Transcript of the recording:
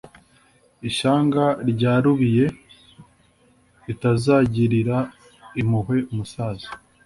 ishyanga ryarubiye,+ ritazagirira impuhwe umusaza